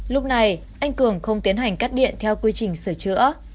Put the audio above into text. lúc này anh cường không tiến hành cắt điện theo quy trình sửa chữa